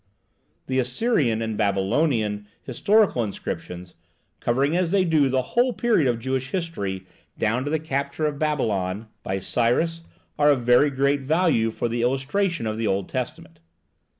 The Assyrian and Babylonian historical inscriptions, covering as they do the whole period of Jewish history down to the capture of Babylon by Cyrus, are of very great value for the illustration of the Old Testament.